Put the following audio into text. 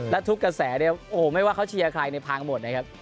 และทุกกระแสเนี่ยโอ้โหไม่ว่าเขาเชียร์ใครเนี่ยพังหมดนะครับ